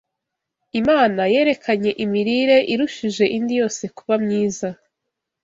Imana yerekanye imirire irushije indi yose kuba myiza.